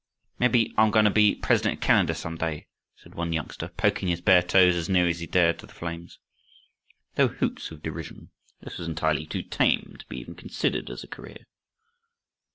"Mebbe I'm goin'to be Premier of Canada, some day," said one youngster, poking his bare toes as near as he dared to the flames. There were hoots of derision. This was entirely too tame to be even considered as a career.